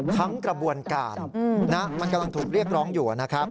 กระบวนการมันกำลังถูกเรียกร้องอยู่นะครับ